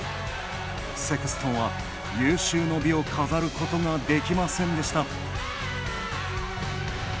セクストンは、有終の美を飾ることができませんでした。